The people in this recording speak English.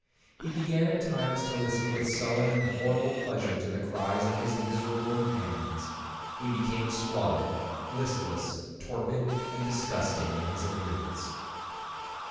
He began at times to listen with sullen and horrible pleasure to the cries of his miserable companions. He became squalid, listless, torpid, and disgusting in his appearance.